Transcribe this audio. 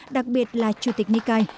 đặc biệt là chủ tịch nikai